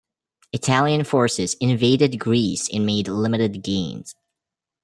Italian forces invaded Greece and made limited gains.